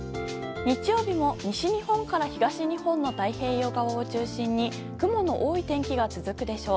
日曜日も西日本から東日本の太平洋側を中心に雲の多い天気が続くでしょう。